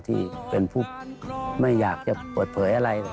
ที่เป็นผู้ไม่อยากจะเปิดเผยอะไร